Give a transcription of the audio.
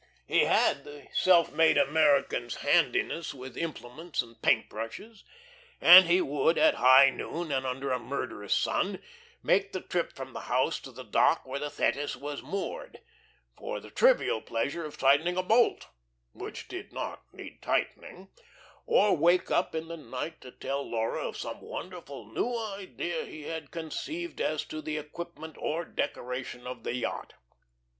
He had the self made American's handiness with implements and paint brushes, and he would, at high noon and under a murderous sun, make the trip from the house to the dock where the "Thetis" was moored, for the trivial pleasure of tightening a bolt which did not need tightening; or wake up in the night to tell Laura of some wonderful new idea he had conceived as to the equipment or decoration of the yacht.